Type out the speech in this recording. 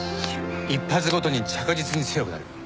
一発ごとに着実に強くなる。